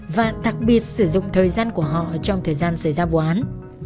và đặc biệt sử dụng thời gian của họ trong thời gian xảy ra vụ án